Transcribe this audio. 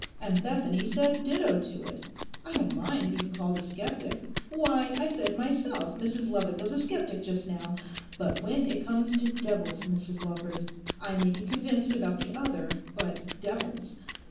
And Bethany said ditto to it. I don't mind being called a sceptic: why, I said myself Mrs Lovat was a sceptic just now! But when it comes to "devils," Mrs Lawford—I may be convinced about the other, but "devils"!